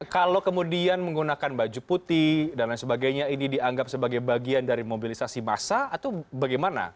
kalau kemudian menggunakan baju putih dan lain sebagainya ini dianggap sebagai bagian dari mobilisasi massa atau bagaimana